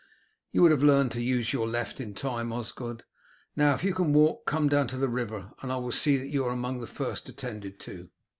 "You would have learned to use your left in time, Osgod. Now if you can walk, come down to the river, and I will see that you are among the first attended to."